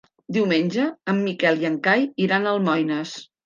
Diumenge en Miquel i en Cai iran a Almoines.